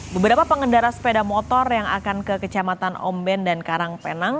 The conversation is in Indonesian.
beberapa pengendara sepeda motor yang akan ke kecamatan omben dan karangpenang